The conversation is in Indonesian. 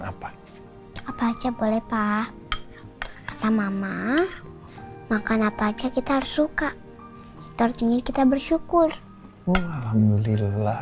apa apa aja boleh pak kata mama makan apa aja kita harus suka artinya kita bersyukur alhamdulillah